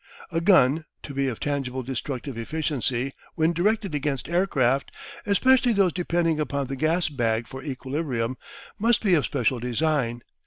A gun, to be of tangible destructive efficiency when directed against aircraft, especially those depending upon the gas bag for equilibrium, must be of special design.